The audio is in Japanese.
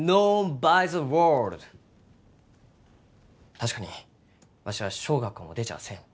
確かにわしは小学校も出ちゃあせん。